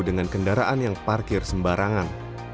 dengan kendaraan yang parkir sembarangan